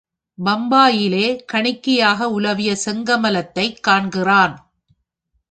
பம்பாயிலே கணிகையாக உலவிய செங்கமலத்தைக் காண்கிறான்!